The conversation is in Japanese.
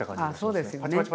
ああそうですよね。